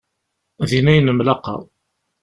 Din ay nemlaqa.